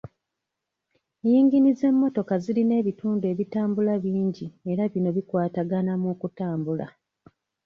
Yingini z'emmotoka zirina ebitundu ebitambula bingi era bino bikwatagana mu kutambula